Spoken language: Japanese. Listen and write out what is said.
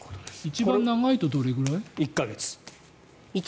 一番長いとどれくらい？